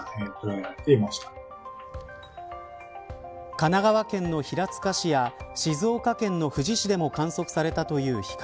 神奈川県の平塚市や静岡県の富士市でも観測されたという光。